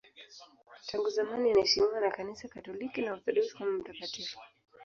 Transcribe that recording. Tangu zamani anaheshimiwa na Kanisa Katoliki na Waorthodoksi kama mtakatifu.